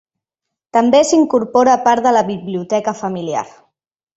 També s'hi incorpora part de la biblioteca familiar.